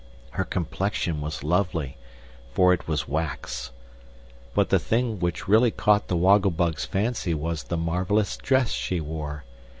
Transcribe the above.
Her complexion was lovely, for it was wax; but the thing which really caught the Woggle Bug's fancy was the marvelous dress she wore.